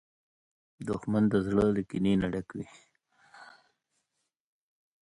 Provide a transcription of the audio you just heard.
دښمن د زړه له کینې نه ډک وي